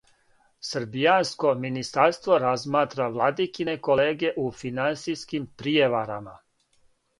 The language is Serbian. Србијанско министарство разматра владикине колеге у финансијским пријеварама